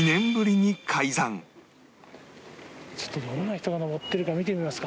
ちょっとどんな人が登ってるか見てみますか。